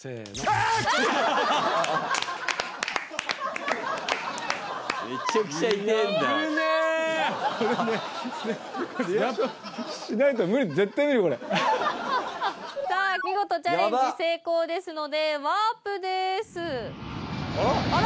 危ねえさあ見事チャレンジ成功ですのでワープですあら？